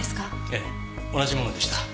ええ同じものでした。